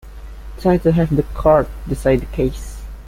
Try to have the court decide the case.